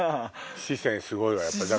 四川すごいわやっぱり。